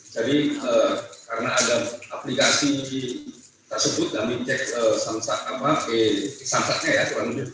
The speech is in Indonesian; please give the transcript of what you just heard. jadi karena ada aplikasi tersebut kami cek samsatnya ya